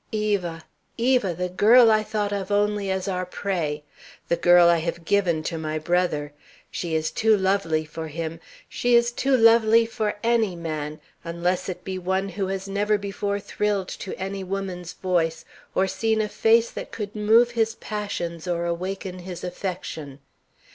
Eva! Eva! the girl I thought of only as our prey. The girl I have given to my brother. She is too lovely for him: she is too lovely for any man unless it be one who has never before thrilled to any woman's voice, or seen a face that could move his passions or awaken his affection.